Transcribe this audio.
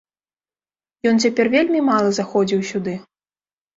Ён цяпер вельмі мала заходзіў сюды.